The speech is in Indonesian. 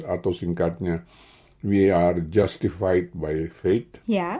atau singkatnya we are justified by fate